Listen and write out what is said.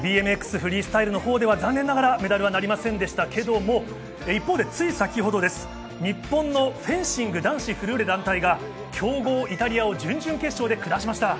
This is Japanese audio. フリースタイルは残念ながらメダルはなりませんでしたが、つい先ほど日本のフェンシング男子フルーレ団体が強豪イタリアを準々決勝で下しました。